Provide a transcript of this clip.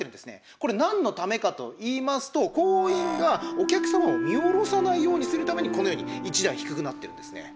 これ何のためかといいますと行員がお客様を見下ろさないようにするためにこのように１段低くなってるんですね。